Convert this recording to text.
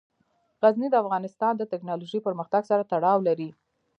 غزني د افغانستان د تکنالوژۍ پرمختګ سره تړاو لري.